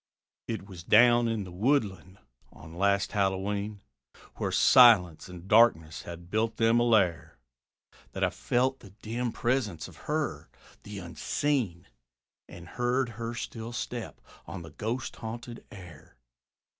It was down in the woodland on last Hallowe'en, Where silence and darkness had built them a lair, That I felt the dim presence of her, the unseen, And heard her still step on the ghost haunted air.